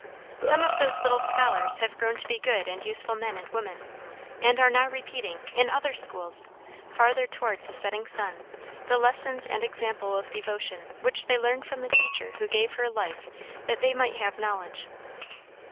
Some of those little scholars have grown to be good and useful men and women, and are now repeating, in other schools, farther towards the setting sun, the lessons and example of devotion which they learned from the teacher who gave her life that they might have knowledge.